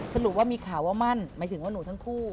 สรุปว่ามีข่าวว่ามั่นหมายถึงว่าหนูทั้งคู่